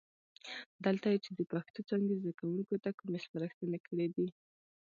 دلته یې چې د پښتو څانګې زده کوونکو ته کومې سپارښتنې کړي دي،